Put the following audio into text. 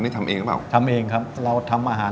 เส้นปลาเต้าซี่หรอ